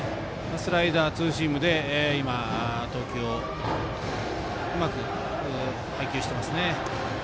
スライダー、ツーシームで今、投球をうまく配球しています。